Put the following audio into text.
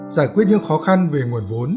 giải quyết những khó khăn về nguồn vốn